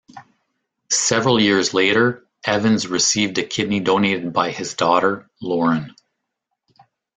Several years later, Evans received a kidney donated by his daughter, Lauren.